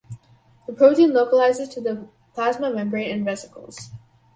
The protein localizes to the plasma membrane and vesicles.